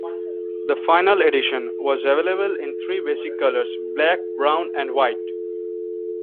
The "Final Edition" was available in three basic colours: black, brown and white.